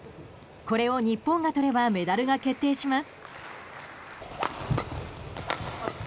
これを日本が取ればメダルが決定します。